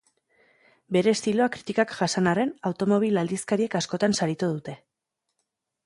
Bere estiloa kritikak jasan arren, automobil-aldizkariek askotan saritu dute.